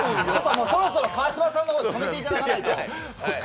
そろそろ川島さんの方で止めていただかないと。